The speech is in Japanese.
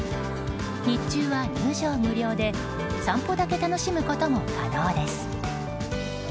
日中は入場無料で散歩だけ楽しむことも可能です。